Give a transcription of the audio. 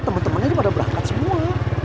temen temennya pada berangkat semua